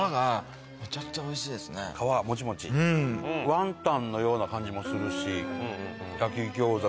ワンタンのような感じもするし。